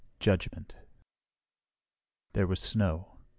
Judgment There was snow.